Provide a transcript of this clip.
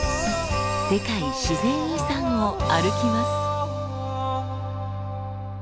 世界自然遺産を歩きます。